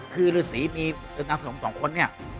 คือลิสีนังสนตนสองคนเนี่ย